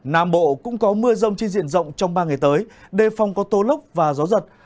nam bộ cũng có mưa rông trên diện rộng trong ba ngày tới đề phòng có tố lốc và gió giật